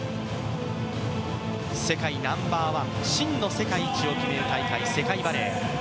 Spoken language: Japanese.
世界ナンバー１、真の世界一を決める大会、バレー。